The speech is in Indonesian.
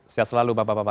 sehat selalu bapak bapak